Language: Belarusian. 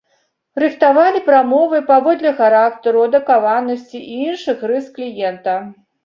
Рыхтавалі прамовы паводле характару, адукаванасці і іншых рыс кліента.